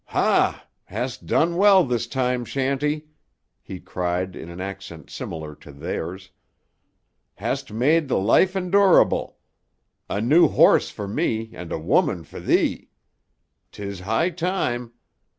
"Ha! Hast done well this time, Shanty," he cried in an accent similar to theirs. "Hast made tuh life endurable. A new horse for me and a woman for 'ee. 'Tis high time.